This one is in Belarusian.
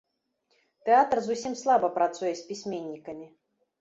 Тэатр зусім слаба працуе з пісьменнікамі.